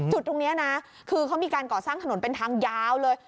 จุดตรงนี้นะคือเขามีการก่อสร้างถนนเป็นทางยาวเลย